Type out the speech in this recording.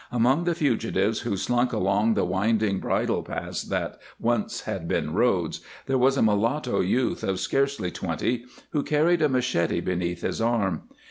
Among the fugitives who slunk along the winding bridle paths that once had been roads there was a mulatto youth of scarcely twenty, who carried a machete beneath his arm.